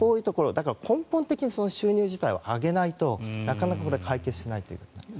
だから根本的に収入自体を上げないとなかなか解決しないと。